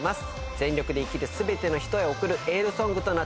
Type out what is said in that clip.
全力で生きる全ての人へ送るエールソングとなっております。